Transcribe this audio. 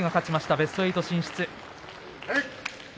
ベスト８進出。